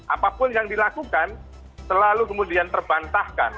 apapun yang dilakukan selalu kemudian terbantahkan